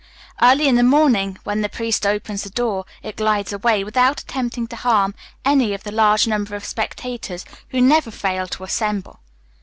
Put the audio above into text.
Early in the morning, when the priest opens the door, it glides away, without attempting to harm any of the large number of spectators, who never fail to assemble.